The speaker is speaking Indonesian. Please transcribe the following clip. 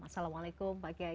assalamualaikum pak kiai